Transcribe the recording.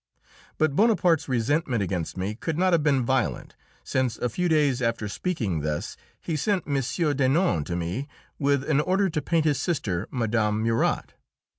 But Bonaparte's resentment against me could not have been violent, since, a few days after speaking thus, he sent M. Denon to me with an order to paint his sister, Mme. Murat.